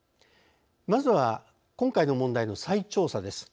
まずは今回の問題の再調査です。